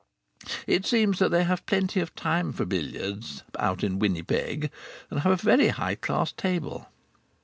It seems that they have plenty of time for billiards out in Winnipeg, and a very high class table.